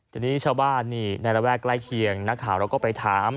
ทีนี้ชาวบ้านนี่ในระแวกใกล้เคียงนักข่าวเราก็ไปถาม